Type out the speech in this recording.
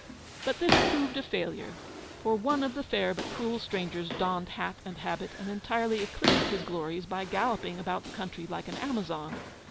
But this proved a failure; for one of the fair but cruel strangers donned hat and habit, and entirely eclipsed his glories by galloping about the country like an Amazon.